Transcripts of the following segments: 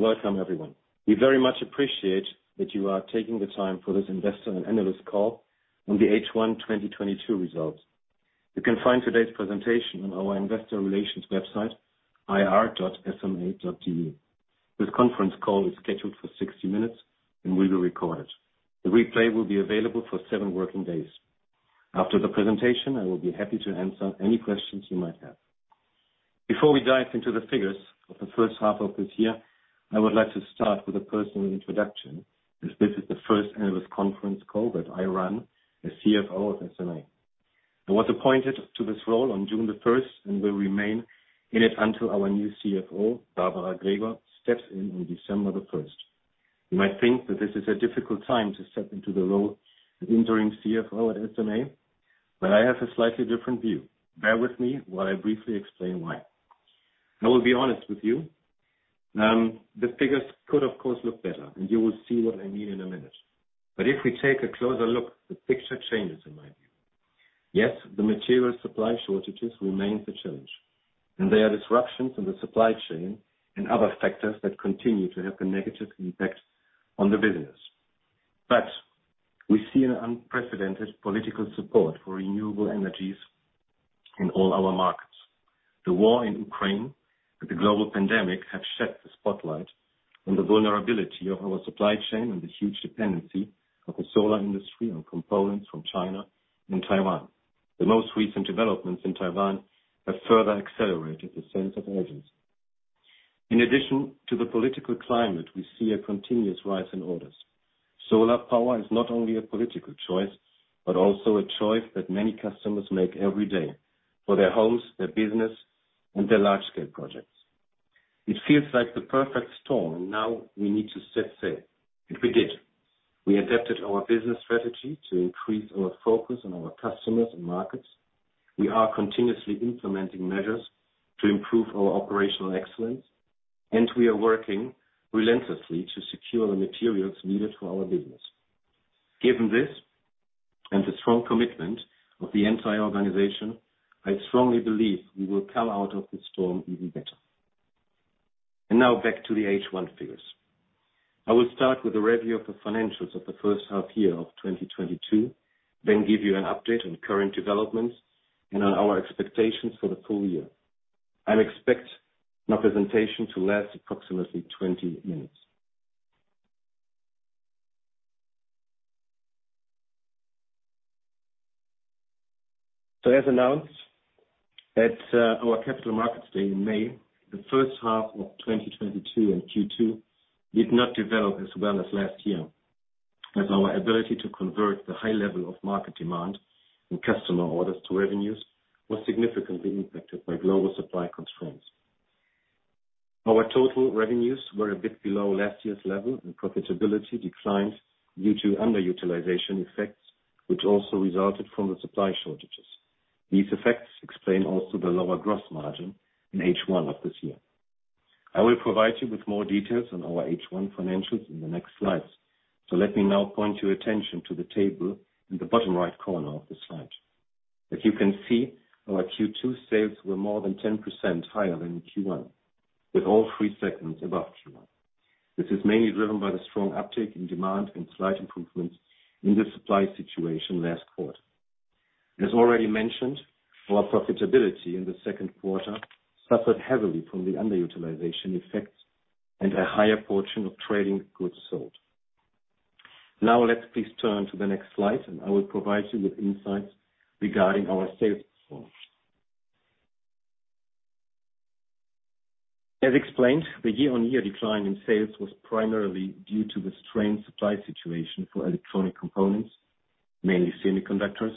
Welcome, everyone. We very much appreciate that you are taking the time for this investor and analyst call on the H1 2022 results. You can find today's presentation on our investor relations website, ir.sma.de. This conference call is scheduled for 60 minutes and will be recorded. The replay will be available for 7 working days. After the presentation, I will be happy to answer any questions you might have. Before we dive into the figures of the first half of this year, I would like to start with a personal introduction, as this is the first annual conference call that I run as CFO of SMA. I was appointed to this role on June 1, and will remain in it until our new CFO, Barbara Gregor, steps in on December 1. You might think that this is a difficult time to step into the role of interim CFO at SMA, but I have a slightly different view. Bear with me while I briefly explain why. I will be honest with you, the figures could, of course, look better, and you will see what I mean in a minute. If we take a closer look, the picture changes, in my view. Yes, the material supply shortages remain the challenge, and there are disruptions in the supply chain and other factors that continue to have a negative impact on the business. We see an unprecedented political support for renewable energies in all our markets. The war in Ukraine and the global pandemic have shed the spotlight on the vulnerability of our supply chain and the huge dependency of the solar industry on components from China and Taiwan. The most recent developments in Taiwan have further accelerated the sense of urgency. In addition to the political climate, we see a continuous rise in orders. Solar power is not only a political choice, but also a choice that many customers make every day for their homes, their business, and their large-scale projects. It feels like the perfect storm. Now we need to set sail. We did. We adapted our business strategy to increase our focus on our customers and markets. We are continuously implementing measures to improve our operational excellence, and we are working relentlessly to secure the materials needed for our business. Given this and the strong commitment of the entire organization, I strongly believe we will come out of this storm even better. Now back to the H1 figures. I will start with a review of the financials of the first half of 2022, then give you an update on current developments and on our expectations for the full year. I expect my presentation to last approximately 20 minutes. As announced at our Capital Markets Day in May, the first half of 2022 and Q2 did not develop as well as last year, as our ability to convert the high level of market demand and customer orders to revenues was significantly impacted by global supply constraints. Our total revenues were a bit below last year's level, and profitability declined due to underutilization effects, which also resulted from the supply shortages. These effects explain also the lower gross margin in H1 of this year. I will provide you with more details on our H1 financials in the next slides. Let me now point your attention to the table in the bottom right corner of the slide. As you can see, our Q2 sales were more than 10% higher than in Q1, with all three segments above Q1. This is mainly driven by the strong uptick in demand and slight improvements in the supply situation last quarter. As already mentioned, our profitability in the second quarter suffered heavily from the underutilization effects and a higher portion of trading goods sold. Now let's please turn to the next slide, and I will provide you with insights regarding our sales performance. As explained, the year-on-year decline in sales was primarily due to the strained supply situation for electronic components, mainly semiconductors,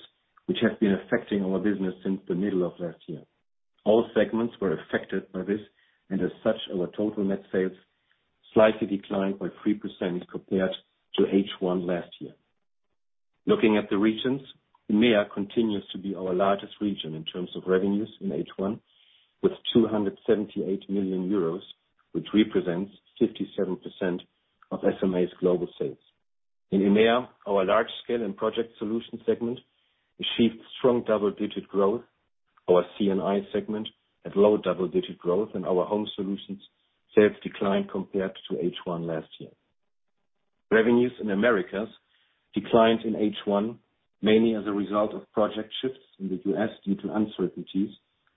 which have been affecting our business since the middle of last year. All segments were affected by this, and as such, our total net sales slightly declined by 3% compared to H1 last year. Looking at the regions, EMEA continues to be our largest region in terms of revenues in H1, with 278 million euros, which represents 57% of SMA's global sales. In EMEA, our Large Scale & Project Solutions segment achieved strong double-digit growth. Our C&I segment had low double-digit growth, and our Home Solutions sales declined compared to H1 last year. Revenues in Americas declined in H1, mainly as a result of project shifts in the U.S. due to uncertainties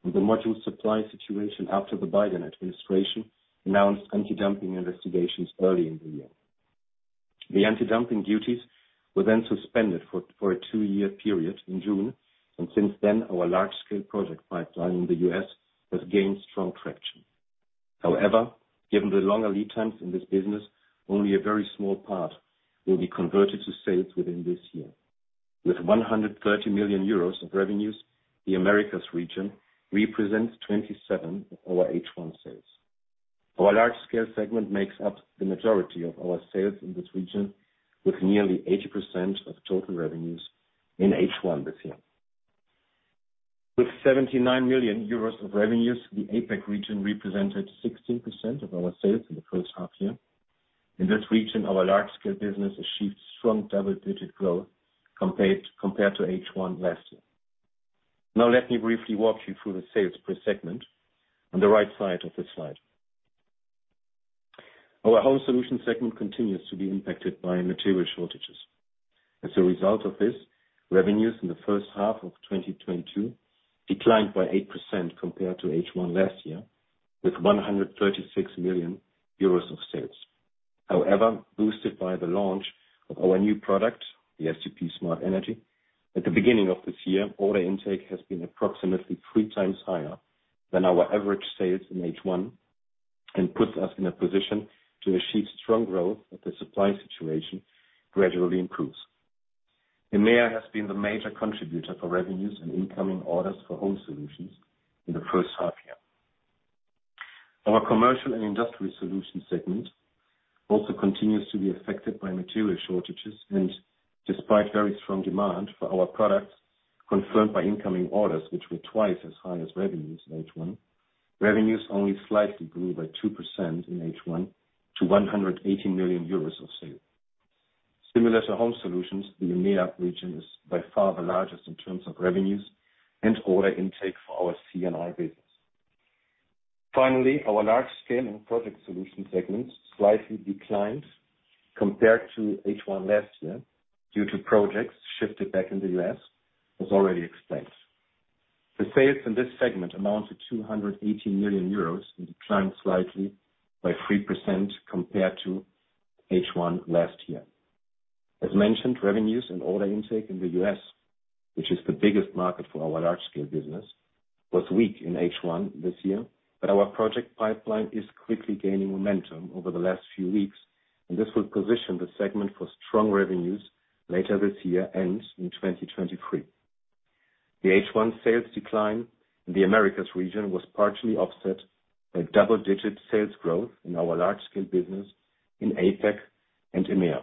and the module supply situation after the Biden administration announced antidumping investigations early in the year. The antidumping duties were then suspended for a 2-year period in June, and since then, our Large Scale & Project Solutions pipeline in the U.S. has gained strong traction. However, given the longer lead times in this business, only a very small part will be converted to sales within this year. With 130 million euros of revenues, the Americas region represents 27% of our H1 sales. Our large scale segment makes up the majority of our sales in this region, with nearly 80% of total revenues in H1 this year. With 79 million euros of revenues, the APAC region represented 16% of our sales in the first half year. In this region, our large-scale business achieved strong double-digit growth compared to H1 last year. Now let me briefly walk you through the sales per segment on the right side of the slide. Our Home Solutions segment continues to be impacted by material shortages. As a result of this, revenues in the first half of 2022 declined by 8% compared to H1 last year, with 136 million euros of sales. However, boosted by the launch of our new product, the STP Smart Energy. At the beginning of this year, order intake has been approximately 3 times higher than our average sales in H1, and puts us in a position to achieve strong growth as the supply situation gradually improves. EMEA has been the major contributor for revenues and incoming orders for Home Solutions in the first half year. Our Commercial & Industrial Solutions segment also continues to be affected by material shortages, and despite very strong demand for our products confirmed by incoming orders, which were twice as high as revenues in H1, revenues only slightly grew by 2% in H1 to 180 million euros in sales. Similar to Home Solutions, the EMEA region is by far the largest in terms of revenues and order intake for our C&I business. Our Large Scale & Project Solutions segments slightly declined compared to H1 last year due to projects shifted back in the U.S., as already explained. The sales in this segment amount to 218 million euros and declined slightly by 3% compared to H1 last year. As mentioned, revenues and order intake in the U.S., which is the biggest market for our large-scale business, was weak in H1 this year. Our project pipeline is quickly gaining momentum over the last few weeks, and this will position the segment for strong revenues later this year and in 2023. The H1 sales decline in the Americas region was partially offset by double-digit sales growth in our large-scale business in APAC and EMEA.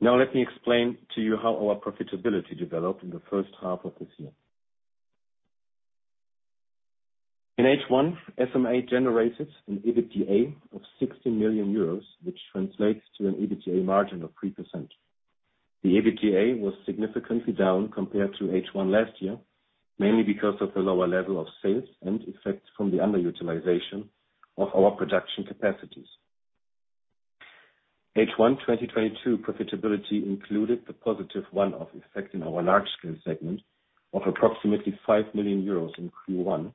Now let me explain to you how our profitability developed in the first half of this year. In H1, SMA generated an EBITDA of 60 million euros, which translates to an EBITDA margin of 3%. The EBITDA was significantly down compared to H1 last year, mainly because of the lower level of sales and effects from the underutilization of our production capacities. H1 2022 profitability included the positive one-off effect in our large scale segment of approximately 5 million euros in Q1,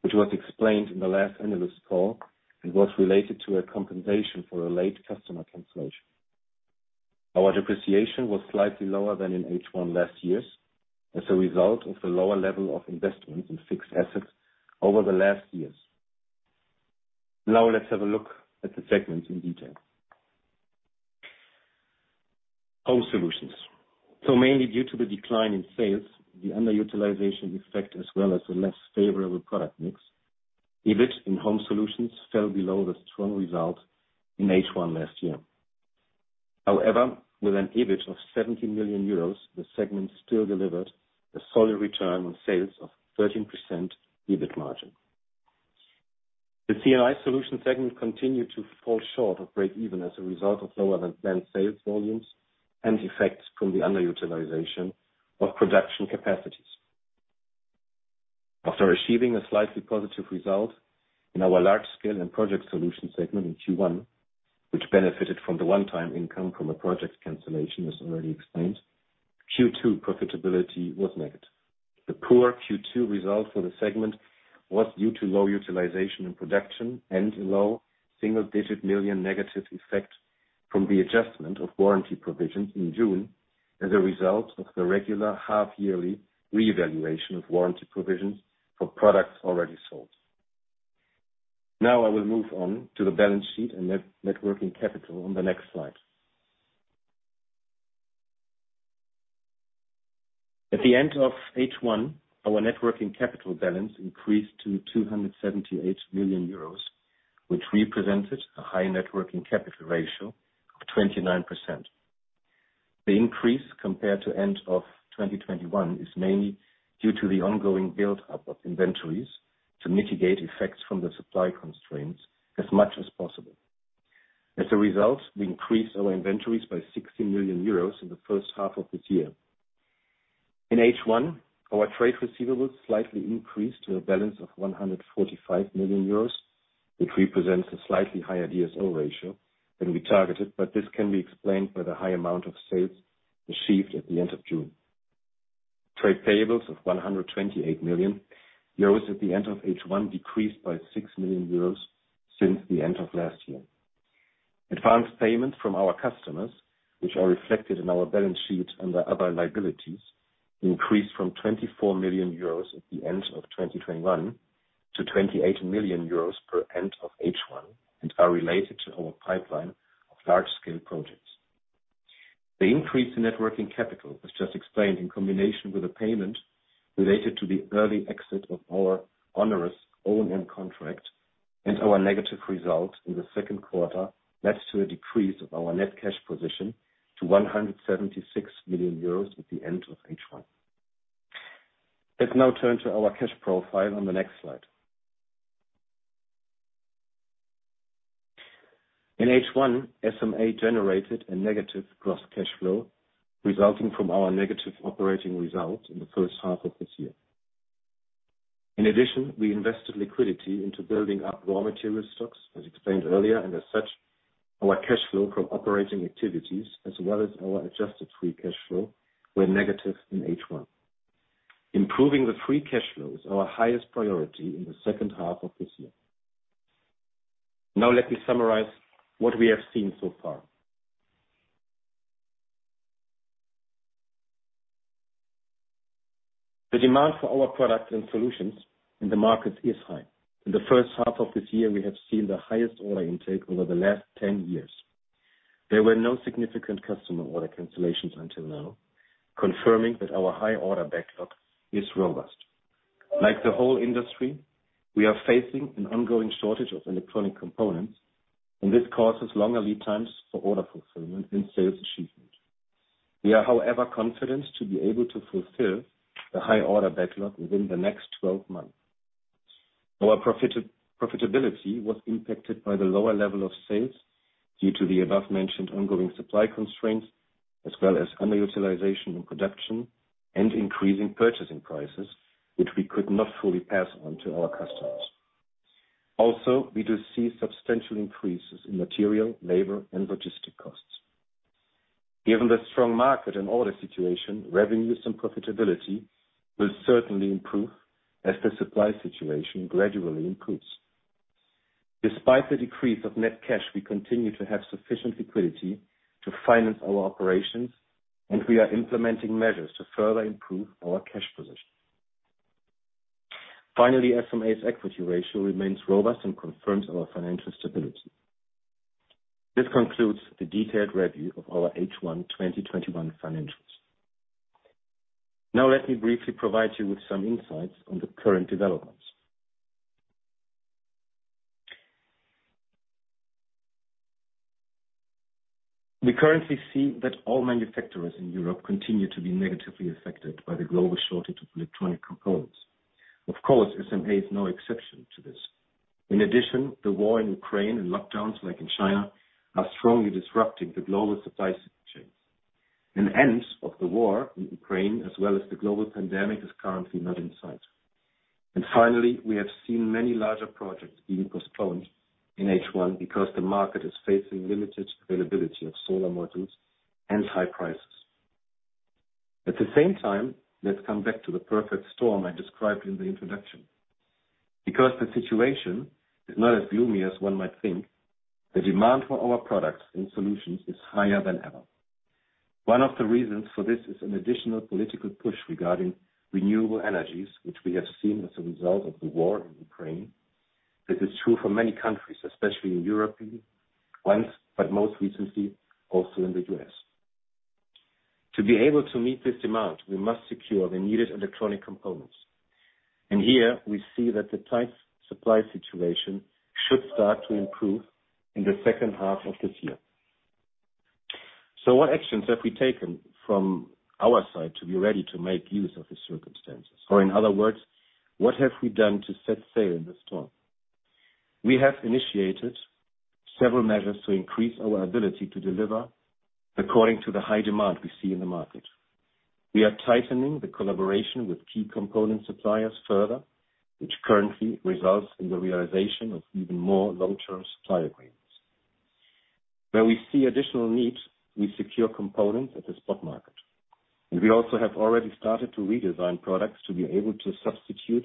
which was explained in the last analyst call and was related to a compensation for a late customer cancellation. Our depreciation was slightly lower than in H1 last year as a result of the lower level of investments in fixed assets over the last years. Now let's have a look at the segments in detail. Home Solutions. Mainly due to the decline in sales, the underutilization effect, as well as the less favorable product mix, EBIT in Home Solutions fell below the strong result in H1 last year. However, with an EBIT of 70 million euros, the segment still delivered a solid return on sales of 13% EBIT margin. The C&I Solutions segment continued to fall short of break even as a result of lower than planned sales volumes and effects from the underutilization of production capacities. After achieving a slightly positive result in our Large Scale & Project Solutions segment in Q1, which benefited from the one-time income from a project cancellation, as already explained, Q2 profitability was negative. The poor Q2 result for the segment was due to low utilization in production and a low single-digit million EUR negative effect from the adjustment of warranty provisions in June as a result of the regular half-yearly reevaluation of warranty provisions for products already sold. Now I will move on to the balance sheet and net working capital on the next slide. At the end of H1, our net working capital balance increased to 278 million euros, which represented a high net working capital ratio of 29%. The increase compared to end of 2021 is mainly due to the ongoing build-up of inventories to mitigate effects from the supply constraints as much as possible. As a result, we increased our inventories by 60 million euros in the first half of this year. In H1, our trade receivables slightly increased to a balance of 145 million euros, which represents a slightly higher DSO ratio than we targeted, but this can be explained by the high amount of sales achieved at the end of June. Trade payables of 128 million euros at the end of H1 decreased by 6 million euros since the end of last year. Advance payments from our customers, which are reflected in our balance sheet under other liabilities, increased from 24 million euros at the end of 2021 to 28 million euros at the end of H1 and are related to our pipeline of large-scale projects. The increase in net working capital, as just explained, in combination with a payment related to the early exit of our onerous O&M contract and our negative result in the second quarter, led to a decrease of our net cash position to 176 million euros at the end of H1. Let's now turn to our cash profile on the next slide. In H1, SMA generated a negative gross cash flow resulting from our negative operating results in the first half of this year. In addition, we invested liquidity into building up raw material stocks, as explained earlier, and as such, our cash flow from operating activities, as well as our adjusted free cash flow were negative in H1. Improving the free cash flow is our highest priority in the second half of this year. Now let me summarize what we have seen so far. The demand for our products and solutions in the market is high. In the first half of this year, we have seen the highest order intake over the last 10 years. There were no significant customer order cancellations until now, confirming that our high order backlog is robust. Like the whole industry, we are facing an ongoing shortage of electronic components, and this causes longer lead times for order fulfillment and sales achievement. We are, however, confident to be able to fulfill the high order backlog within the next 12 months. Our profitability was impacted by the lower level of sales due to the above mentioned ongoing supply constraints, as well as underutilization in production and increasing purchasing prices, which we could not fully pass on to our customers. Also, we do see substantial increases in material, labor, and logistic costs. Given the strong market and order situation, revenues and profitability will certainly improve as the supply situation gradually improves. Despite the decrease of net cash, we continue to have sufficient liquidity to finance our operations, and we are implementing measures to further improve our cash position. Finally, SMA's equity ratio remains robust and confirms our financial stability. This concludes the detailed review of our H1, 2021 financials. Now let me briefly provide you with some insights on the current developments. We currently see that all manufacturers in Europe continue to be negatively affected by the global shortage of electronic components. Of course, SMA is no exception to this. In addition, the war in Ukraine and lockdowns like in China are strongly disrupting the global supply chains. An end of the war in Ukraine as well as the global pandemic is currently not in sight. Finally, we have seen many larger projects being postponed in H1 because the market is facing limited availability of solar modules and high prices. At the same time, let's come back to the perfect storm I described in the introduction. Because the situation is not as gloomy as one might think, the demand for our products and solutions is higher than ever. One of the reasons for this is an additional political push regarding renewable energies, which we have seen as a result of the war in Ukraine. This is true for many countries, especially in European lands, but most recently, also in the US. To be able to meet this demand, we must secure the needed electronic components. Here we see that the tight supply situation should start to improve in the second half of this year. What actions have we taken from our side to be ready to make use of the circumstances? In other words, what have we done to set sail in the storm? We have initiated several measures to increase our ability to deliver according to the high demand we see in the market. We are tightening the collaboration with key component suppliers further, which currently results in the realization of even more long-term supply agreements. Where we see additional needs, we secure components at the spot market. We also have already started to redesign products to be able to substitute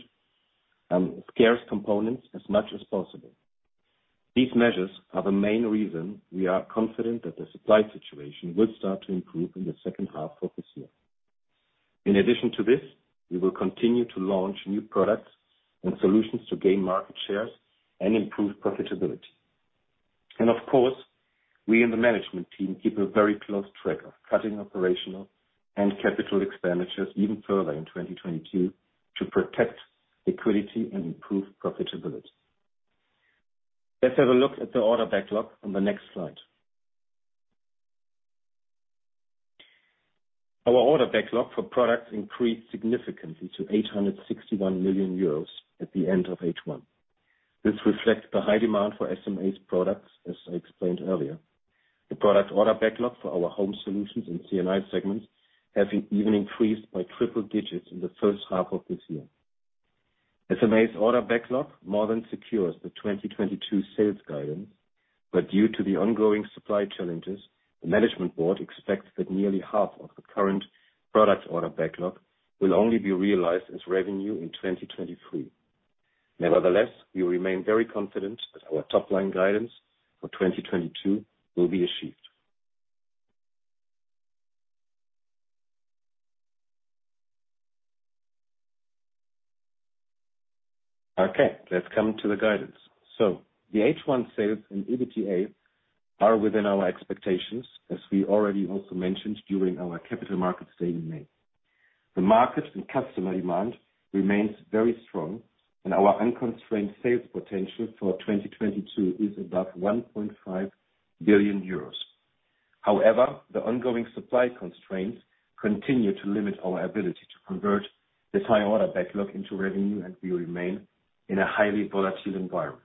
scarce components as much as possible. These measures are the main reason we are confident that the supply situation will start to improve in the second half of this year. In addition to this, we will continue to launch new products and solutions to gain market shares and improve profitability. Of course, we in the management team keep a very close track of cutting operational and capital expenditures even further in 2022 to protect liquidity and improve profitability. Let's have a look at the order backlog on the next slide. Our order backlog for products increased significantly to 861 million euros at the end of H1. This reflects the high demand for SMA's products, as I explained earlier. The product order backlog for our Home Solutions and C&I segments have even increased by triple digits in the first half of this year. SMA's order backlog more than secures the 2022 sales guidance, but due to the ongoing supply challenges, the management board expects that nearly half of the current product order backlog will only be realized as revenue in 2023. Nevertheless, we remain very confident that our top-line guidance for 2022 will be achieved. Okay, let's come to the guidance. The H1 sales and EBITDA are within our expectations, as we already also mentioned during our Capital Markets Day in May. The market and customer demand remains very strong, and our unconstrained sales potential for 2022 is about 1.5 billion euros. However, the ongoing supply constraints continue to limit our ability to convert the high order backlog into revenue, and we remain in a highly volatile environment.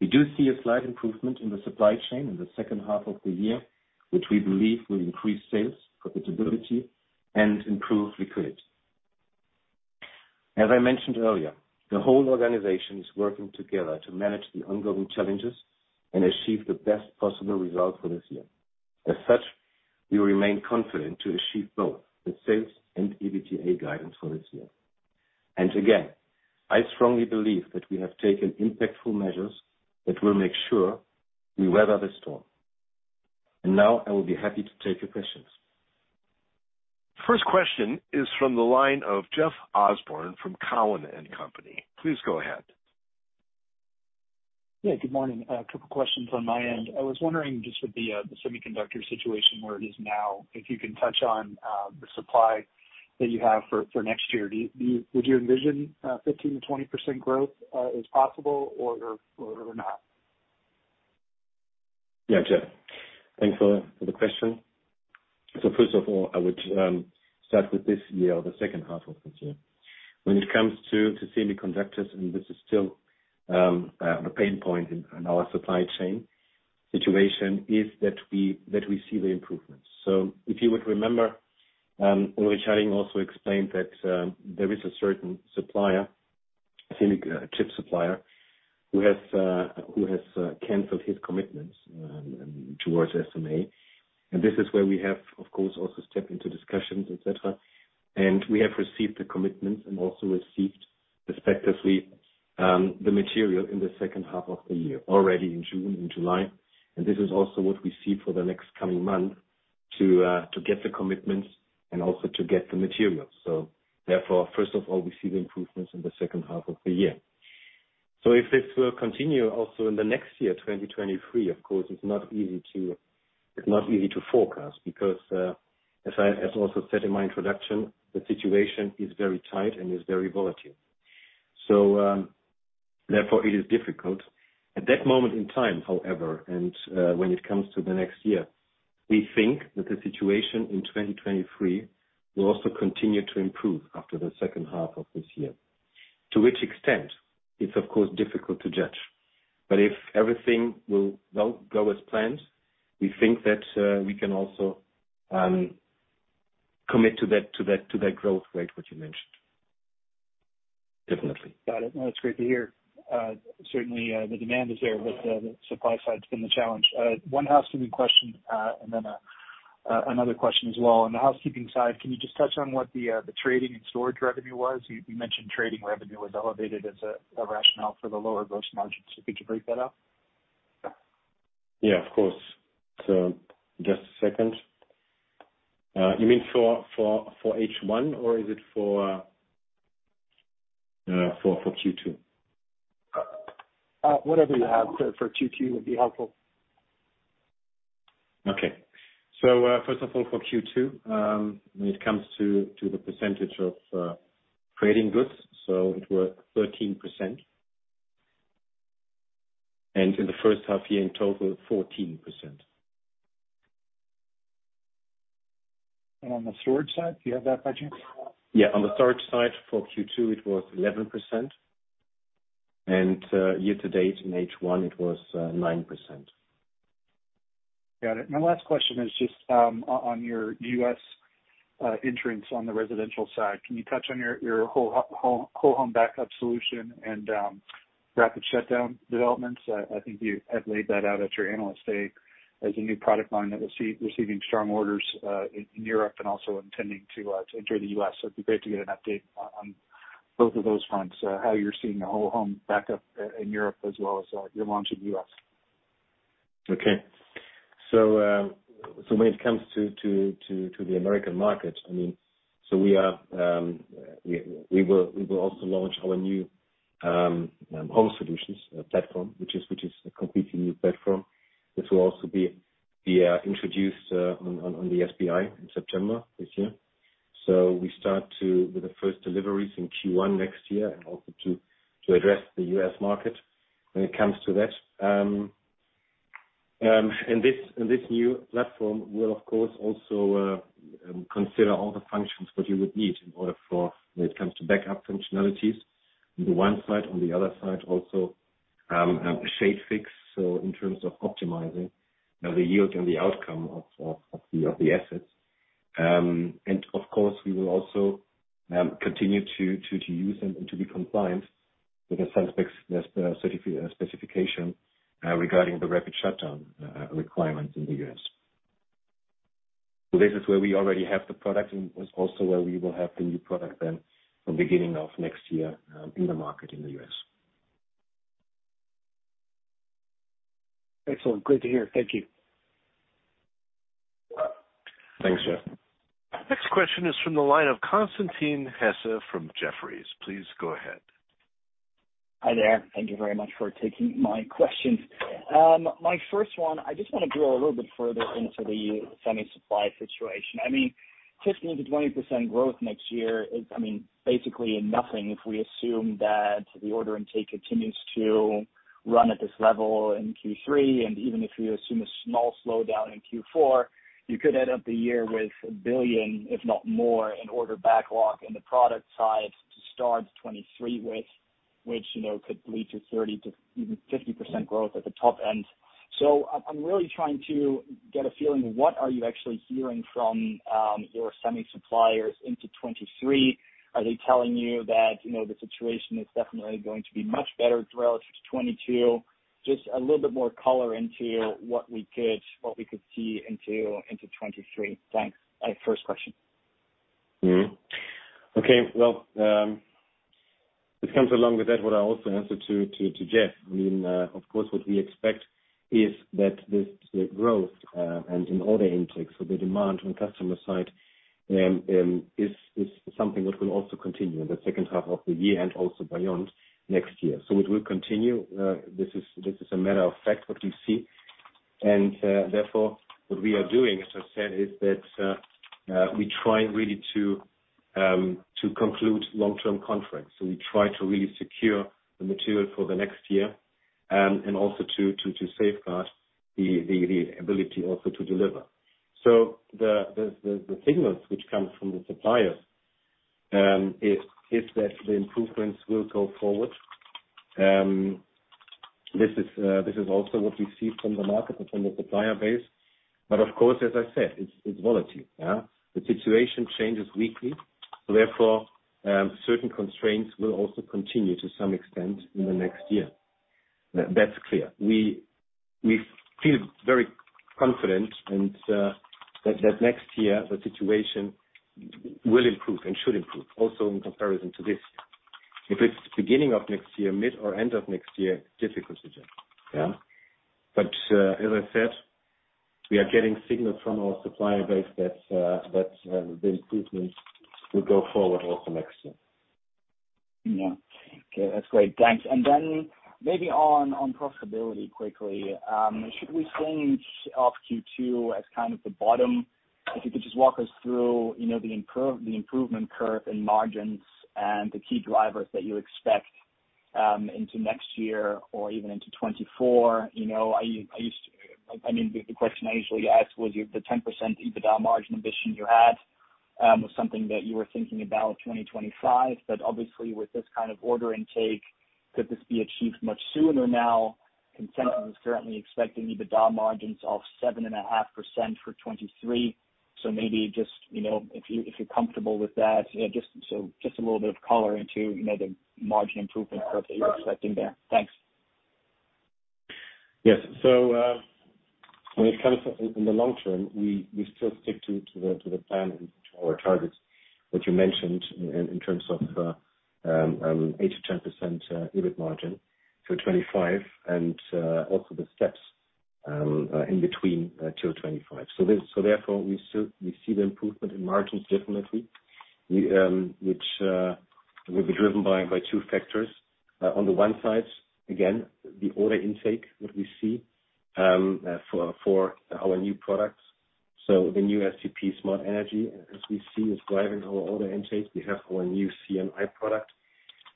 We do see a slight improvement in the supply chain in the second half of the year, which we believe will increase sales, profitability and improve liquidity. As I mentioned earlier, the whole organization is working together to manage the ongoing challenges and achieve the best possible result for this year. As such, we remain confident to achieve both the sales and EBITDA guidance for this year. Again, I strongly believe that we have taken impactful measures that will make sure we weather the storm. Now I will be happy to take your questions. First question is from the line of Jeffrey Osborne from TD Cowen. Please go ahead. Yeah, good morning. A couple of questions on my end. I was wondering, just with the semiconductor situation where it is now, if you can touch on the supply that you have for next year. Would you envision 15%-20% growth is possible or not? Yeah, Jeff, thanks for the question. First of all, I would start with this year, the second half of this year. When it comes to semiconductors, and this is still a pain point in our supply chain situation, that we see the improvements. If you would remember, Ulrich Hadding also explained that there is a certain supplier, semiconductor chip supplier who has canceled his commitments towards SMA. This is where we have of course also stepped into discussions, et cetera. We have received the commitments and also received respectively the material in the second half of the year, already in June and July. This is also what we see for the next coming month to get the commitments and also to get the materials. Therefore first of all, we see the improvements in the second half of the year. If this will continue also in the next year, 2023, of course it's not easy to forecast because, as I also said in my introduction, the situation is very tight and is very volatile. Therefore it is difficult. At that moment in time, however, and, when it comes to the next year, we think that the situation in 2023 will also continue to improve after the second half of this year. To which extent is of course difficult to judge. If everything will go as planned, we think that we can also commit to that growth rate which you mentioned. Definitely. Got it. No, it's great to hear. Certainly, the demand is there, but the supply side's been the challenge. One housekeeping question, and then another question as well. On the housekeeping side, can you just touch on what the trading and storage revenue was? You mentioned trading revenue was elevated as a rationale for the lower gross margins. Could you break that out? Yeah, of course. Just a second. You mean for H1 or is it for Q2? Whatever you have for Q2 would be helpful. First of all, for Q2, when it comes to the percentage of cost of goods, it was 13%. In the first half year in total, 14%. On the storage side, do you have that by chance? Yeah. On the storage side for Q2 it was 11%. Year to date in H1 it was 9%. Got it. My last question is just, on your US entrance on the residential side. Can you touch on your whole home backup solution and rapid shutdown developments? I think you had laid that out at your analyst day as a new product line that was receiving strong orders in Europe and also intending to enter the US. It'd be great to get an update on both of those fronts, how you're seeing the whole home backup in Europe as well as your launch in the US. Okay. When it comes to the American market, I mean, we will also launch our new Home Solutions platform, which is a completely new platform, which will also be introduced on the SPI in September this year. We start with the first deliveries in Q1 next year and also to address the US market when it comes to that. This new platform will of course also consider all the functions that you would need in order for when it comes to backup functionalities on the one side. On the other side also, ShadeFix, so in terms of optimizing, you know, the yield and the outcome of the assets. Of course we will also continue to use and to be compliant with the SunSpec specification regarding the rapid shutdown requirements in the U.S. This is where we already have the product and is also where we will have the new product then from beginning of next year in the market in the U.S. Excellent. Great to hear. Thank you. Thanks, Jeff. Next question is from the line of Constantin Hesse from Jefferies. Please go ahead. Hi there. Thank you very much for taking my questions. My first one, I just wanna drill a little bit further into the semi supply situation. I mean, 15%-20% growth next year is, I mean, basically nothing if we assume that the order intake continues to run at this level in Q3. Even if you assume a small slowdown in Q4, you could end up the year with 1 billion, if not more, in order backlog in the product side to start 2023 with, which, you know, could lead to 30%-50% growth at the top end. I'm really trying to get a feeling, what are you actually hearing from your semi suppliers into 2023? Are they telling you that, you know, the situation is definitely going to be much better relative to 2022? Just a little bit more color into what we could see into 2023. Thanks. My first question. Okay. Well, this comes along with that what I also answered to Jeff. I mean, of course, what we expect is that this, the growth in order intake, so the demand on customer side, is something that will also continue in the second half of the year and also beyond next year. It will continue. This is a matter of fact, what we see. Therefore, what we are doing, as I said, is that we try really to conclude long-term contracts. We try to really secure the material for the next year, and also to safeguard the ability also to deliver. The signals which come from the suppliers is that the improvements will go forward. This is also what we see from the market and from the supplier base. Of course, as I said, it's volatile, yeah. The situation changes weekly, so therefore, certain constraints will also continue to some extent in the next year. That's clear. We feel very confident and that next year the situation will improve and should improve, also in comparison to this year. If it's beginning of next year, mid or end of next year, difficult to tell. Yeah. As I said, we are getting signals from our supplier base that the improvements will go forward also next year. Yeah. Okay, that's great. Thanks. Maybe on profitability quickly. Should we think of Q2 as kind of the bottom? If you could just walk us through, you know, the improvement curve in margins and the key drivers that you expect into next year or even into 2024. You know, I used to. I mean, the question I usually ask was if the 10% EBITDA margin ambition you had was something that you were thinking about 2025. But obviously with this kind of order intake, could this be achieved much sooner now? Consensus is currently expecting EBITDA margins of 7.5% for 2023. Maybe just, you know, if you're comfortable with that, just a little bit of color into, you know, the margin improvement curve that you're expecting there. Thanks. Yes. When it comes to in the long term, we still stick to the plan and to our targets that you mentioned in terms of 8%-10% EBIT margin through 2025 and also the steps in between till 2025. Therefore, we still see the improvement in margins definitely. We, which will be driven by two factors. On the one side, again, the order intake that we see for our new products. The new STP Smart Energy, as we see, is driving our order intake. We have our new C&I product,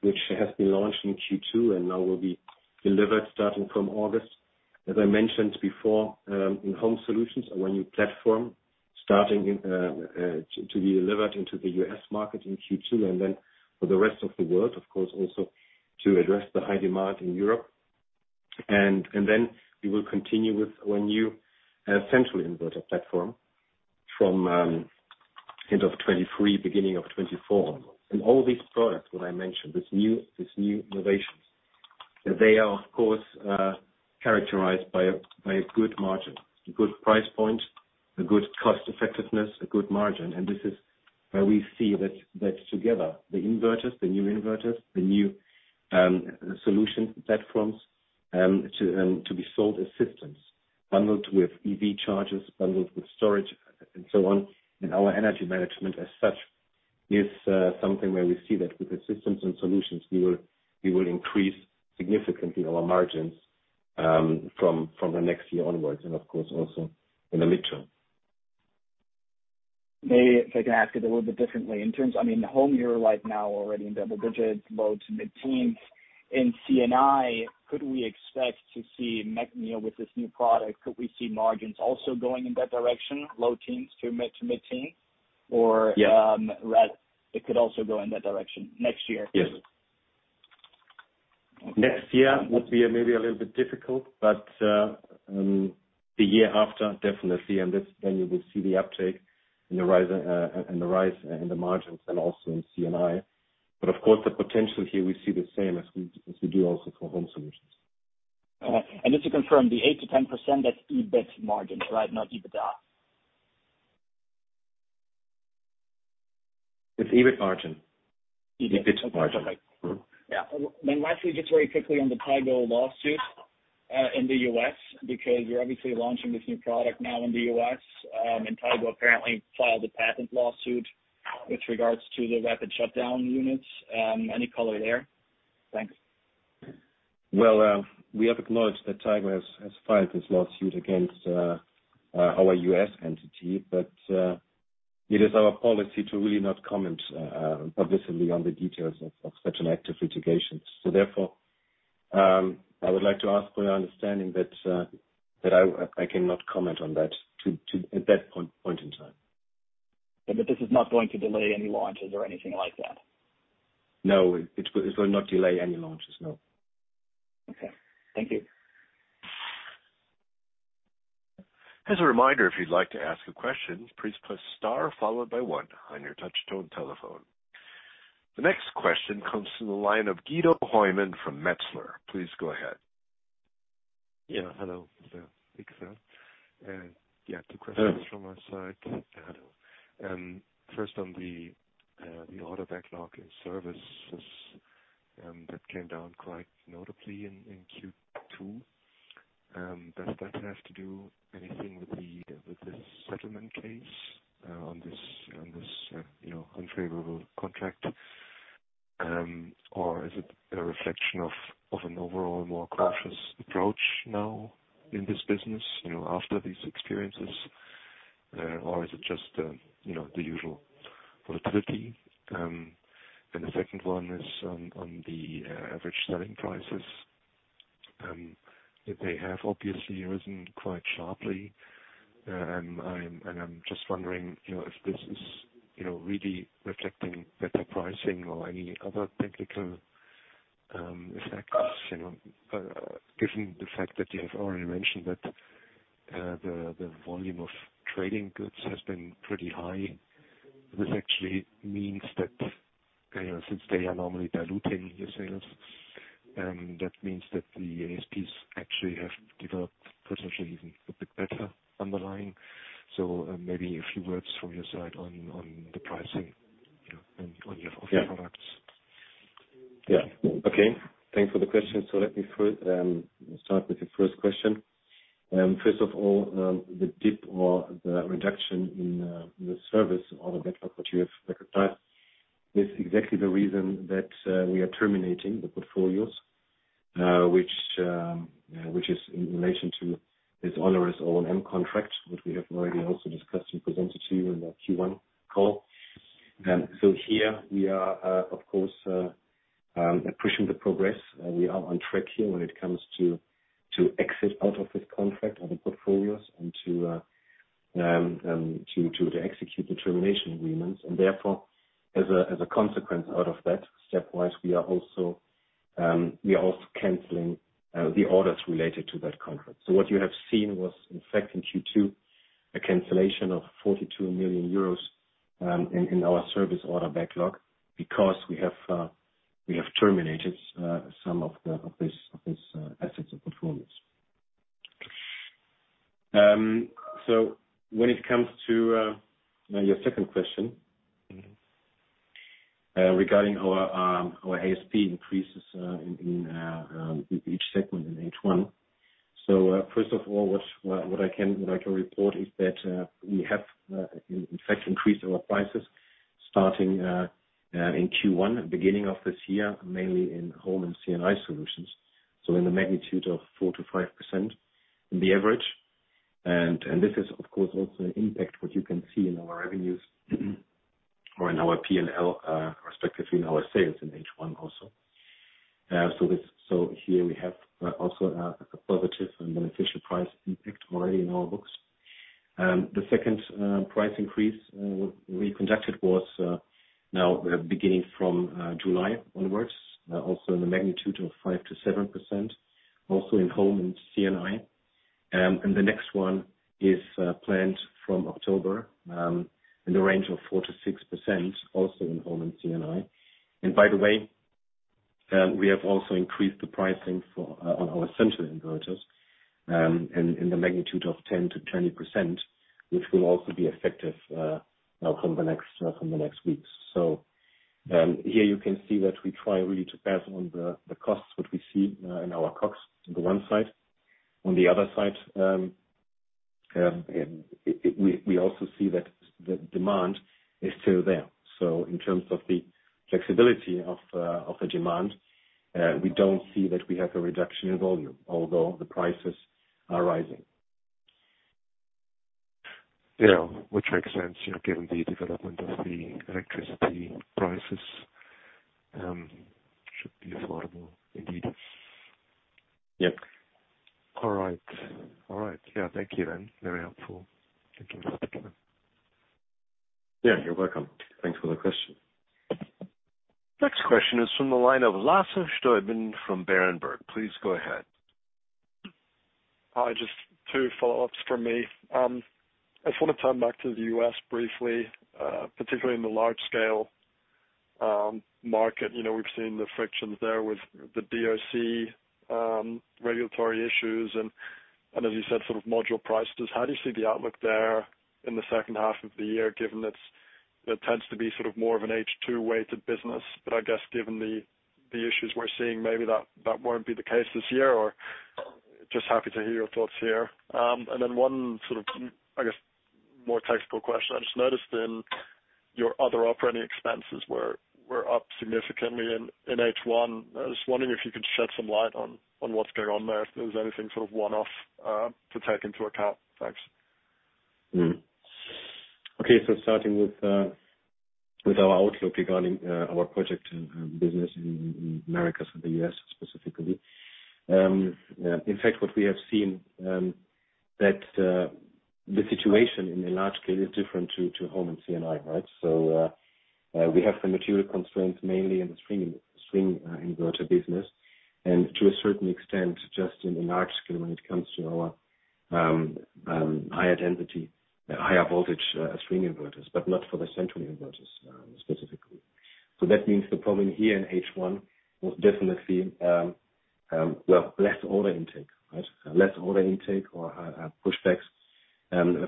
which has been launched in Q2 and now will be delivered starting from August. As I mentioned before, in Home Solutions, our new platform starting in to be delivered into the U.S. market in Q2 and then for the rest of the world, of course, also to address the high demand in Europe. Then we will continue with our new central inverter platform from end of 2023, beginning of 2024. All these products that I mentioned, these new innovations, they are of course characterized by a good margin, a good price point, a good cost effectiveness, a good margin. This is where we see that together the inverters, the new inverters, the new solution platforms to be sold as systems bundled with SMA eCharger, bundled with storage and so on. Our energy management as such is something where we see that with the systems and solutions we will increase significantly our margins from the next year onwards and of course also in the midterm. Maybe if I can ask it a little bit differently. In terms, I mean, Home you're right now already in double digits, low to mid-teens. In C&I, could we expect to see, with this new product, margins also going in that direction, low teens to mid-teens? Yeah. Rather it could also go in that direction next year. Yes. Next year would be maybe a little bit difficult, but the year after definitely, and that's when you will see the uptake and the rise in the margins and also in C&I. Of course, the potential here we see the same as we do also for Home Solutions. Just to confirm the 8%-10%, that's EBIT margins, right? Not EBITDA. It's EBIT margin. EBIT. EBIT margin. Mm-hmm. Yeah. Lastly, just very quickly on the Tigo lawsuit in the U.S., because you're obviously launching this new product now in the U.S., and Tigo apparently filed a patent lawsuit with regards to the rapid shutdown units. Any color there? Thanks. Well, we have acknowledged that Tigo has filed this lawsuit against our U.S. entity. It is our policy to really not comment publicly on the details of such an active litigation. Therefore, I would like to ask for your understanding that I cannot comment on that at that point in time. This is not going to delay any launches or anything like that? No, it will not delay any launches, no. Okay. Thank you. As a reminder, if you'd like to ask a question, please press star followed by one on your touch tone telephone. The next question comes from the line of Guido Hoymann from Metzler. Please go ahead. Yeah, hello. Yeah. Thanks, Sam. Yeah, two questions from my side. First on the order backlog in services that came down quite notably in Q2. Does that have to do anything with the settlement case on this you know unfavorable contract? Or is it a reflection of an overall more cautious approach now in this business you know after these experiences? Or is it just you know the usual volatility? The second one is on the average selling prices. They have obviously risen quite sharply. I'm just wondering you know if this is you know really reflecting better pricing or any other technical effects you know. Given the fact that you have already mentioned that, the volume of trading goods has been pretty high, this actually means that, you know, since they are normally diluting the sales, that means that the ASPs actually have developed potentially even a bit better underlying. Maybe a few words from your side on the pricing, you know, on your Yeah. offer products. Yeah. Okay. Thanks for the question. Let me first start with the first question. First of all, the dip or the reduction in the service order backlog that you have recognized is exactly the reason that we are terminating the portfolios, which is in relation to this onerous O&M contract, which we have already also discussed and presented to you in the Q1 call. Here we are, of course, pushing the progress. We are on track here when it comes to exit out of this contract on the portfolios and to execute the termination agreements. Therefore, as a consequence out of that, stepwise we are also canceling the orders related to that contract. What you have seen was, in fact, in Q2, a cancellation of 42 million euros in our service order backlog because we have terminated some of these assets of performance. When it comes to your second question. Mm-hmm. Regarding our ASP increases in each segment in H1. First of all, what I can report is that we have in fact increased our prices starting in Q1, beginning of this year, mainly in home and C&I solutions. In the magnitude of 4%-5% in the average. This is of course also an impact, what you can see in our revenues or in our P&L, respectively, in our sales in H1 also. Here we have also a positive and beneficial price impact already in our books. The second price increase we conducted was now beginning from July onwards, also in the magnitude of 5%-7%, also in home and C&I. The next one is planned from October, in the range of 4%-6%, also in home and C&I. By the way, we have also increased the pricing for our central inverters, in the magnitude of 10%-20%, which will also be effective now from the next weeks. Here you can see that we try really to pass on the costs what we see in our COGS on the one side. On the other side, we also see that the demand is still there. In terms of the flexibility of the demand, we don't see that we have a reduction in volume, although the prices are rising. Yeah. Which makes sense, you know, given the development of the electricity prices, should be affordable indeed. Yep. All right. Yeah. Thank you then. Very helpful. Thank you. Yeah, you're welcome. Thanks for the question. Next question is from the line of Lasse Stüben from Berenberg. Please go ahead. Hi. Just two follow-ups from me. I just wanna turn back to the US briefly, particularly in the large scale market. You know, we've seen the frictions there with the DOC, regulatory issues and, as you said, sort of module prices. How do you see the outlook there in the second half of the year, given it tends to be sort of more of an H2-weighted business. But I guess given the issues we're seeing, maybe that won't be the case this year. Just happy to hear your thoughts here. And then one sort of, I guess, more textbook question. I just noticed in your other operating expenses were up significantly in H1. I was wondering if you could shed some light on what's going on there, if there's anything sort of one-off to take into account. Thanks. Okay. Starting with our outlook regarding our project and business in the Americas and the US specifically. In fact, what we have seen that the situation in the large scale is different to home and C&I, right? We have the material constraints mainly in the string inverter business, and to a certain extent, just in the large scale when it comes to our high-density higher voltage string inverters, but not for the central inverters specifically. That means the problem here in H1 was definitely well, less order intake, right? Less order intake or pushbacks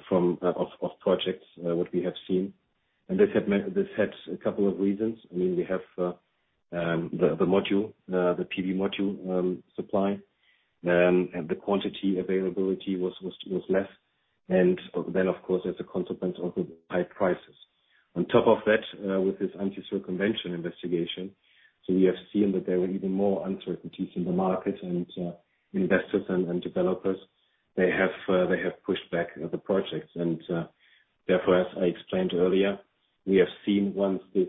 from of projects what we have seen. This had a couple of reasons. I mean, we have the module, the PV module supply and the quantity availability was less. Of course, as a consequence of the high prices. On top of that, with this anti-circumvention investigation. We have seen that there were even more uncertainties in the market and investors and developers they have pushed back the projects. Therefore, as I explained earlier, we have seen once this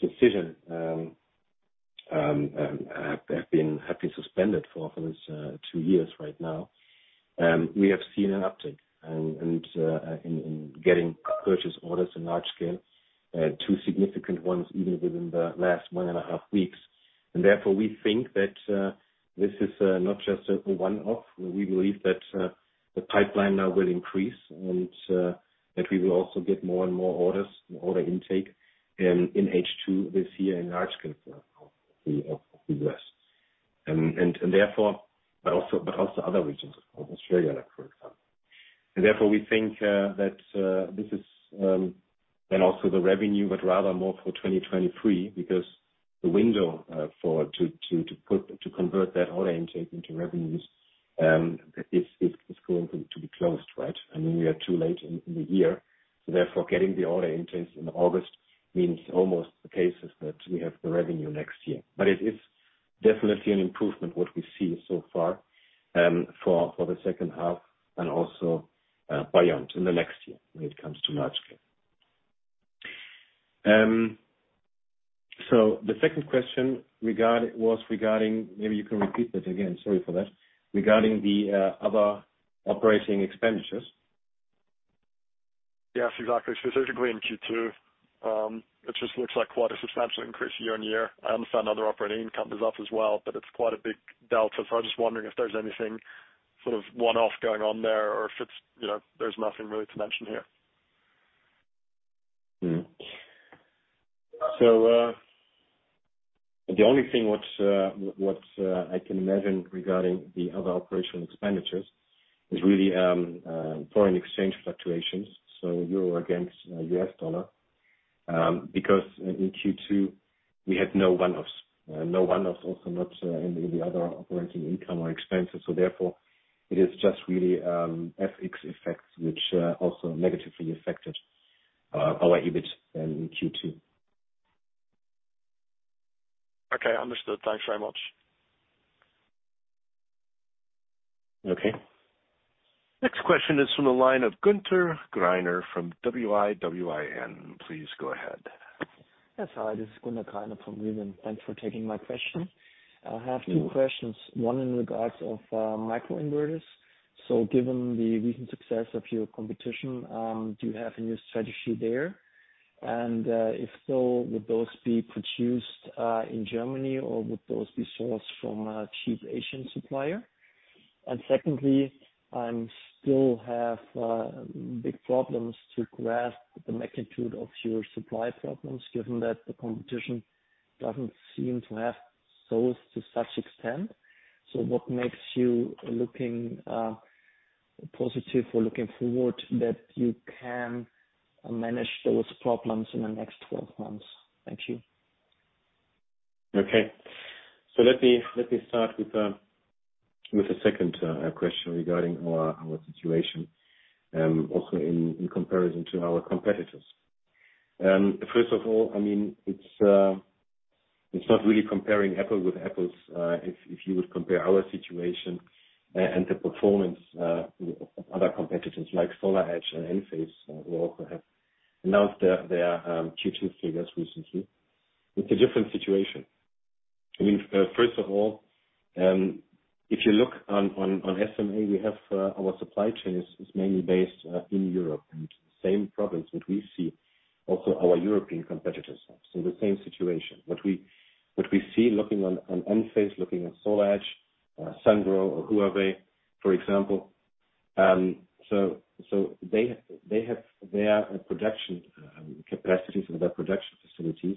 decision has been suspended for this 2 years right now, we have seen an uptick and in getting purchase orders in large scale, 2 significant ones even within the last 1.5 weeks. Therefore, we think that this is not just a one-off. We believe that the pipeline now will increase and that we will also get more and more orders and order intake in H2 this year in large scale for the US. But also other regions of Australia, for example. Therefore, we think and also the revenue but rather more for 2023 because the window to convert that order intake into revenues is going to be closed, right? I mean we are too late in the year. Therefore getting the order intakes in August means in most cases that we have the revenue next year. It is definitely an improvement what we see so far, for the second half and also, beyond in the next year when it comes to large scale. The second question was regarding, maybe you can repeat that again, sorry for that, regarding the other operating expenditures. Yes, exactly. Specifically in Q2, it just looks like quite a substantial increase year-on-year. I understand other operating income is up as well, but it's quite a big delta. I'm just wondering if there's anything sort of one-off going on there or if it's, you know, there's nothing really to mention here. The only thing I can imagine regarding the other operational expenditures is really foreign exchange fluctuations, so euro against US dollar. Because in Q2, we had no one-offs. No one-offs also not in the other operating income or expenses. Therefore, it is just really FX effects which also negatively affected our EBIT in Q2. Okay. Understood. Thanks very much. Okay. Next question is from the line of Günter Greiner from Wiwin. Please go ahead. Yes. Hi, this is Günter Greiner from Wiwin. Thanks for taking my question. I have two questions, one in regards of microinverters. So given the recent success of your competition, do you have a new strategy there? And if so, would those be produced in Germany or would those be sourced from a cheap Asian supplier? And secondly, I still have big problems to grasp the magnitude of your supply problems, given that the competition doesn't seem to have those to such extent. So what makes you looking positive or looking forward that you can manage those problems in the next 12 months? Thank you. Okay. Let me start with the second question regarding our situation, also in comparison to our competitors. First of all, I mean, it's not really comparing apples to apples, if you would compare our situation and the performance of other competitors like SolarEdge and Enphase, who also have announced their Q2 figures recently. It's a different situation. I mean, first of all, if you look on SMA, we have our supply chain is mainly based in Europe, and the same problems that we see, also our European competitors have. The same situation. What we see looking on Enphase, looking on SolarEdge, Sungrow or Huawei, for example, they have their production capacities or their production facilities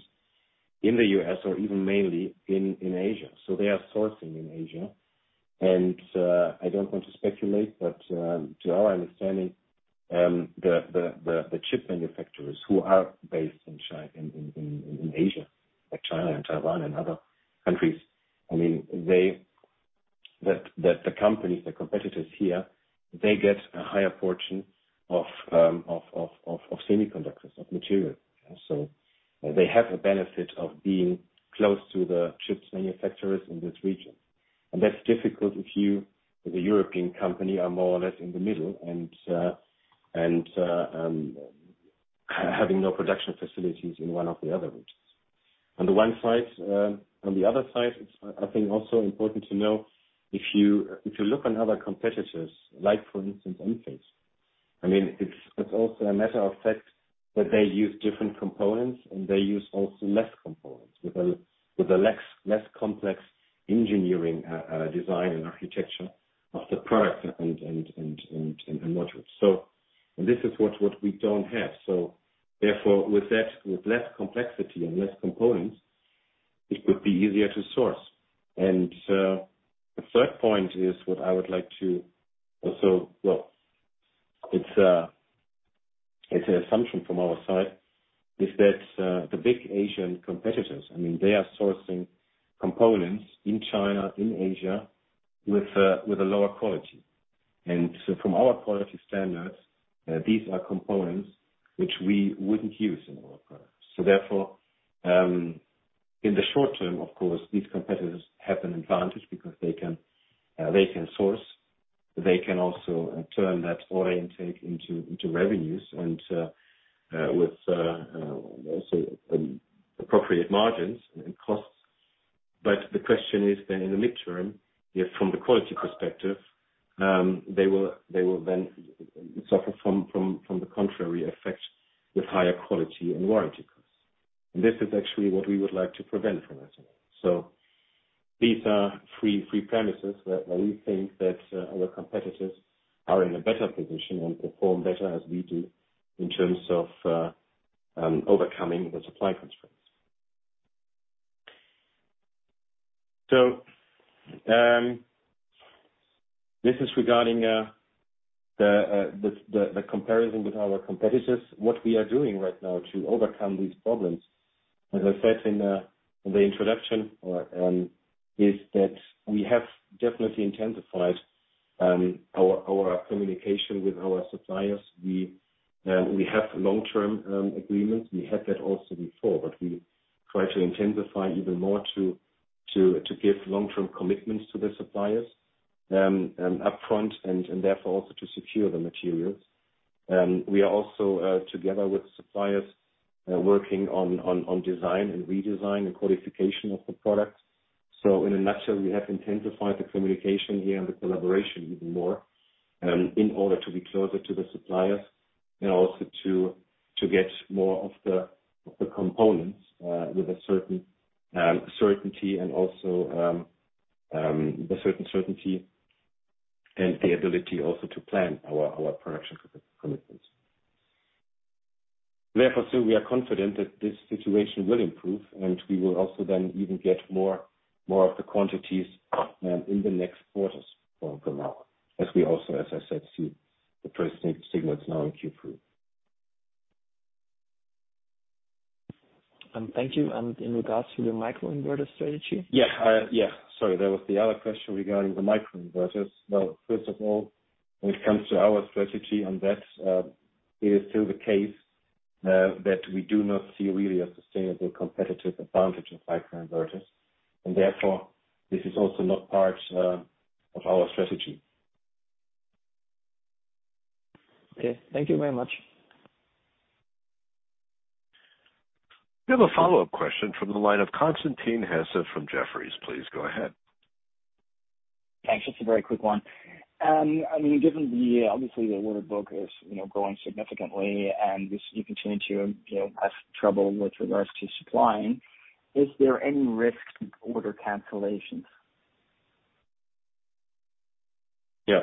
in the U.S. or even mainly in Asia. They are sourcing in Asia. I don't want to speculate, but to our understanding, the chip manufacturers who are based in Asia, like China and Taiwan and other countries, I mean, the companies, the competitors here, they get a higher portion of semiconductors, of material. They have a benefit of being close to the chip manufacturers in this region. That's difficult if you, as a European company, are more or less in the middle and having no production facilities in one of the other regions. On the one side, on the other side, it's I think also important to know if you look on other competitors, like for instance, Enphase, I mean, it's also a matter of fact that they use different components and they use also less components with a less complex engineering design and architecture of the products and modules. This is what we don't have. Therefore, with that, with less complexity and less components, it would be easier to source. The third point is what I would like to also. Well, it's an assumption from our side that the big Asian competitors, I mean, they are sourcing components in China, in Asia with a lower quality. From our quality standards, these are components which we wouldn't use in our products. In the short term, of course, these competitors have an advantage because they can source, they can also turn that order intake into revenues and also with appropriate margins and costs. The question is then in the medium term, if from the quality perspective, they will then suffer from the contrary effect with higher quality and warranty costs. This is actually what we would like to prevent from happening. These are three premises that we think that our competitors are in a better position and perform better as we do in terms of overcoming the supply constraints. This is regarding the comparison with our competitors. What we are doing right now to overcome these problems, as I said in the introduction, is that we have definitely intensified our communication with our suppliers. We have long-term agreements. We had that also before, but we try to intensify even more to give long-term commitments to the suppliers upfront, and therefore also to secure the materials. We are also together with suppliers working on design and redesign and qualification of the products. In a nutshell, we have intensified the communication here and the collaboration even more, in order to be closer to the suppliers and also to get more of the components with a certain certainty and the ability also to plan our production commitments. Therefore, we are confident that this situation will improve, and we will also then even get more of the quantities in the next quarters from now, as we also, as I said, see the first signals now in Q3. Thank you. In regards to the microinverter strategy? Sorry. That was the other question regarding the microinverters. Well, first of all, when it comes to our strategy on that, it is still the case that we do not see really a sustainable competitive advantage of microinverters, and therefore this is also not part of our strategy. Okay. Thank you very much. We have a follow-up question from the line of Constantin Hesse from Jefferies. Please go ahead. Thanks. Just a very quick one. I mean, given the, obviously the order book is, you know, growing significantly and you continue to, you know, have trouble with regards to supplying, is there any risk to order cancellations? Yeah.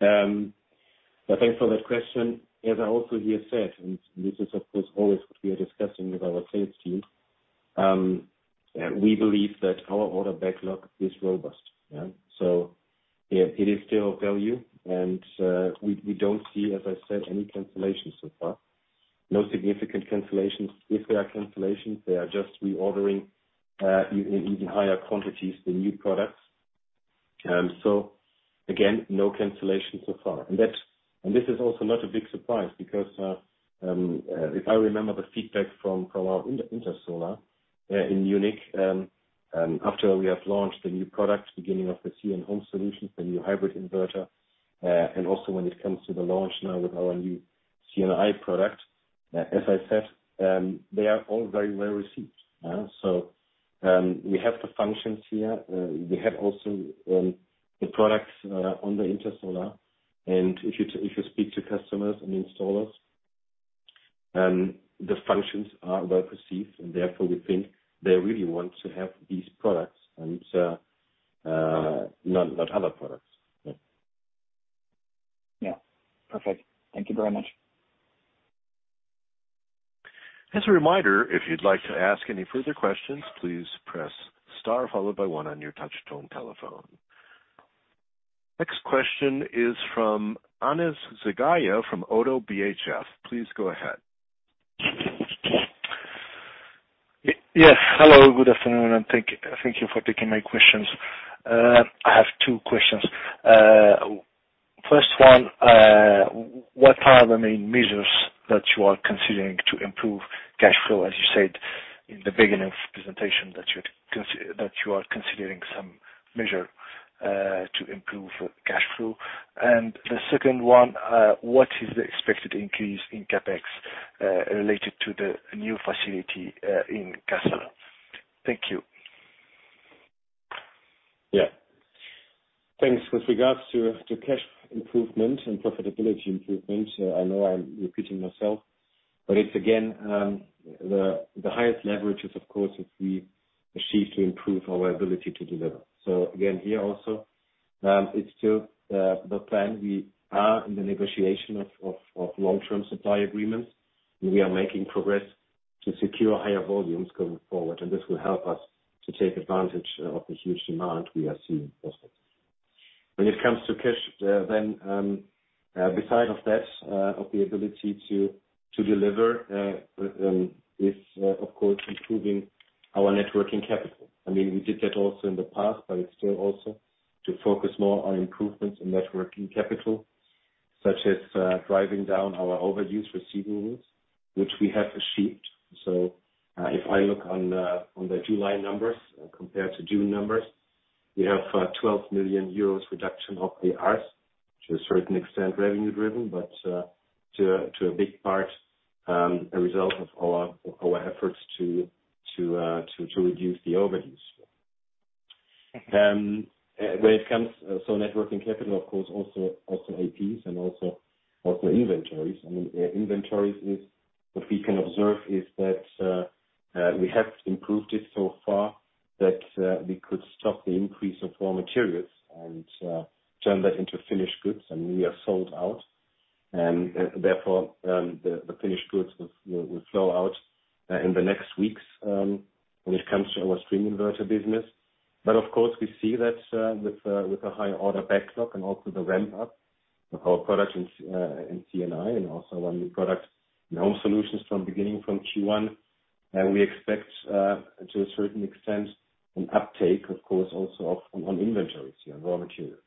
Thanks for that question. As I also have said, this is of course always what we are discussing with our sales team. We believe that our order backlog is robust. Yeah. It is still of value. We don't see, as I said, any cancellations so far. No significant cancellations. If there are cancellations, they are just reordering even higher quantities, the new products. Again, no cancellations so far. This is also not a big surprise because if I remember the feedback from our Intersolar in Munich after we have launched the new product, beginning of the C&I and Home solutions, the new hybrid inverter, and also when it comes to the launch now with our new C&I product, as I said, they are all very well received. Yeah. We have the functions here. We have also the products on the Intersolar. If you speak to customers and installers, the functions are well received and therefore we think they really want to have these products and not other products. Yeah. Yeah. Perfect. Thank you very much. As a reminder, if you'd like to ask any further questions, please press star followed by one on your touchtone telephone. Next question is from Anis Zgaya from ODDO BHF. Please go ahead. Yes. Hello. Good afternoon, and thank you for taking my questions. I have two questions. First one, what are the main measures that you are considering to improve cash flow? As you said in the beginning of presentation, that you are considering some measure to improve cash flow. The second one, what is the expected increase in CapEx related to the new facility in Kassel? Thank you. Yeah. Thanks. With regards to cash improvement and profitability improvement, I know I'm repeating myself, but it's again the highest leverage is, of course, if we achieve to improve our ability to deliver. Again, here also, it's still the plan. We are in the negotiation of long-term supply agreements. We are making progress to secure higher volumes going forward, and this will help us to take advantage of the huge demand we are seeing for. When it comes to cash, then, besides that, the ability to deliver is, of course, improving our net working capital. I mean, we did that also in the past, but it's still also to focus more on improvements in net working capital, such as driving down our accounts receivable, which we have achieved. If I look on the July numbers compared to June numbers, we have 12 million euros reduction of the ARs, to a certain extent, revenue driven, but to a big part, a result of our efforts to reduce the overdues. Net working capital, of course, also APs and inventories. I mean, inventories is what we can observe is that we have improved it so far that we could stop the increase of raw materials and turn that into finished goods and we are sold out. Therefore, the finished goods will flow out in the next weeks, when it comes to our string inverter business. Of course, we see that with a higher order backlog and also the ramp up of our products in C&I and also on new products and Home Solutions from the beginning of Q1. We expect to a certain extent an uptake, of course, also on inventories, raw materials.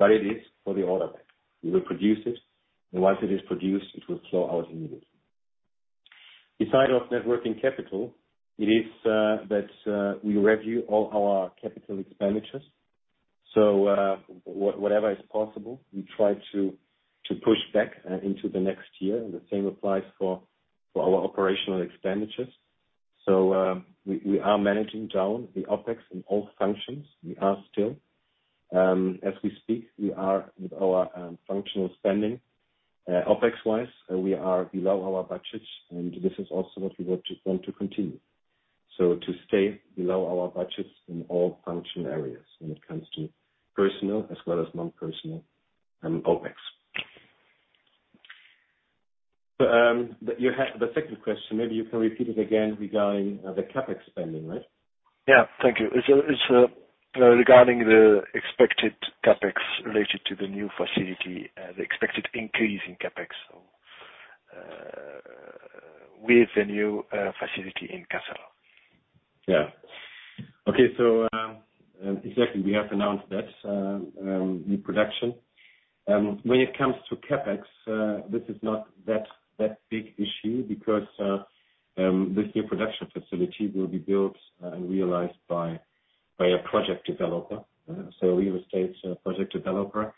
It is for the order backlog. We will produce it and once it is produced, it will flow out immediately. Besides net working capital, it is that we review all our capital expenditures. Whatever is possible, we try to push back into the next year. The same applies for our operating expenditures. We are managing down the OpEx in all functions. We are still. As we speak, we are with our functional spending, OpEx-wise, we are below our budgets, and this is also what we want to continue. To stay below our budgets in all function areas when it comes to personal as well as non-personal OpEx. You had the second question. Maybe you can repeat it again regarding the CapEx spending, right? Yeah. Thank you. It's regarding the expected CapEx related to the new facility, the expected increase in CapEx, so with the new facility in Kassel. Yeah. Okay. Exactly, we have announced that new production. When it comes to CapEx, this is not that big issue because this new production facility will be built and realized by a project developer. Real estate project developer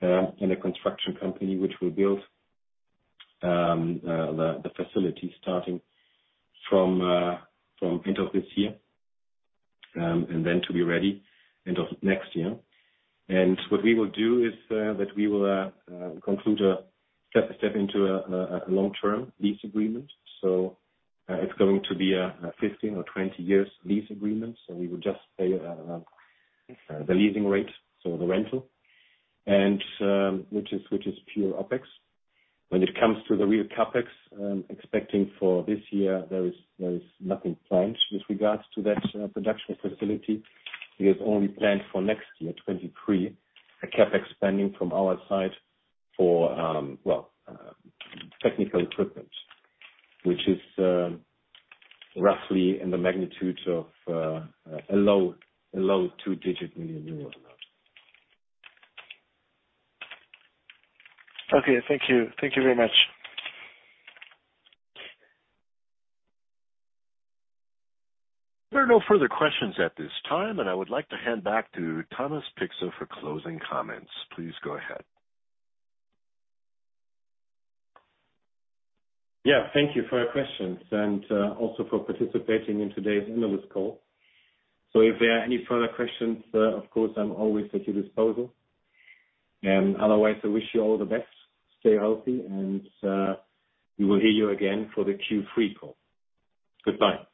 and a construction company which will build the facility starting from end of this year and then to be ready end of next year. What we will do is that we will conclude a step-by-step into a long-term lease agreement. It's going to be a 15 or 20 years lease agreement. We will just pay the leasing rate, so the rental, and which is pure OpEx. When it comes to the real CapEx, expecting for this year, there is nothing planned with regards to that production facility. It is only planned for next year, 2023, a CapEx spending from our side for well technical equipment, which is roughly in the magnitude of a low two-digit million EUR. Okay. Thank you. Thank you very much. There are no further questions at this time, and I would like to hand back to Thomas Pixa for closing comments. Please go ahead. Yeah. Thank you for your questions and also for participating in today's analyst call. If there are any further questions, of course, I'm always at your disposal. Otherwise, I wish you all the best. Stay healthy, and we will hear you again for the Q3 call. Goodbye.